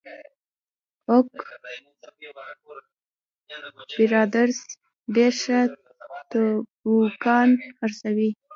اوک برادرز ډېر ښه توبوګان خرڅوي.